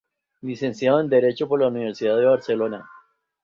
Licenciado en Derecho por la Universidad de Barcelona.